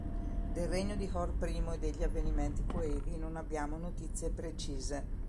Del regno di Hor I e degli avvenimenti coevi non abbiamo notizie precise.